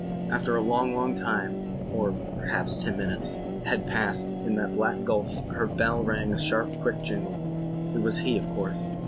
After a long long time (or perhaps ten minutes) had passed in that black gulf her bell rang a sharp quick jingle. It was he, of course.